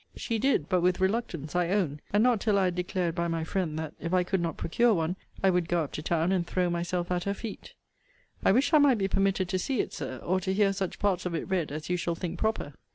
She did, but with reluctance, I own, and not till I had declared by my friend, that, if I could not procure one, I would go up to town, and throw myself at her feet. I wish I might be permitted to see it, Sir, or to hear such parts of it read as you shall think proper.